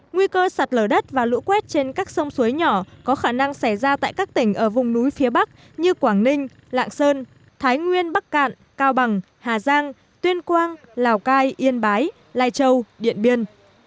nguy cơ sạt lở đất và lũ quét trên các sông suối nhỏ có khả năng xảy ra tại các tỉnh ở vùng núi phía bắc như quảng ninh lạng sơn thái nguyên bắc cạn cao bằng hà giang tuyên quang lào cai yên bái lai châu điện biên